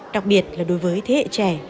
đặc biệt là đối với thế hệ trẻ